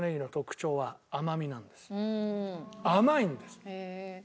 甘いんです。